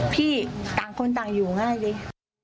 พี่ต่างคนต่างอยู่ง่ายสิ